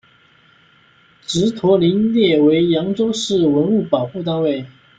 祗陀林列为扬州市文物保护单位。